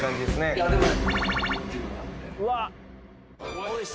いやでもね